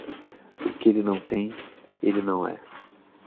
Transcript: O que ele não tem, ele não é.